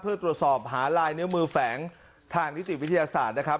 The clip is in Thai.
เพื่อตรวจสอบหาลายนิ้วมือแฝงทางนิติวิทยาศาสตร์นะครับ